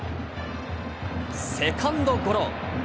セカンドゴロ。